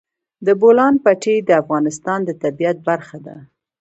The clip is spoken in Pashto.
د بولان پټي د افغانستان د طبیعت برخه ده.